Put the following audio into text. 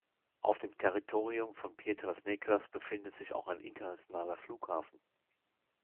Auf dem Territorium von Piedras Negras befindet sich auch ein internationaler Flughafen.